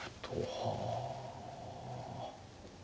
はあ。